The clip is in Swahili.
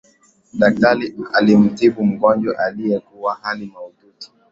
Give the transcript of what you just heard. Daktari alimtibu mgonjwa aliyekuwa hali mahututi